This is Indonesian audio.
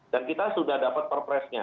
dan kita sudah dapat perpresnya